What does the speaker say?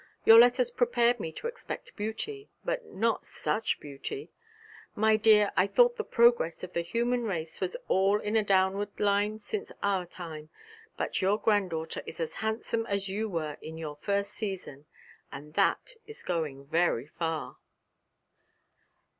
Your letters prepared me to expect beauty, but not such beauty. My dear, I thought the progress of the human race was all in a downward line since our time; but your granddaughter is as handsome as you were in your first season, and that is going very far.'